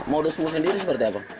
modusmu sendiri seperti apa